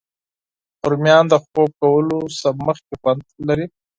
رومیان د خوب کولو نه مخکې خوند لري